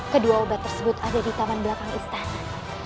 kedua obat tersebut ada di taman belakang istana